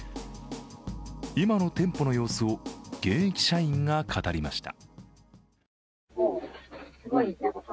今の店舗の様子を現役社員が語りました。